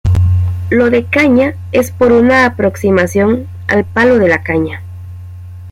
Lo de caña es por una aproximación al palo de la caña.